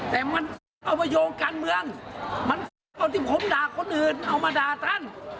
แต่มันเอามาโยงการเมืองมันเอาที่ผมด่าคนอื่นเอามาด่าท่าน